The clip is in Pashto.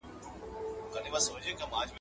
زه تمرين کړي دي،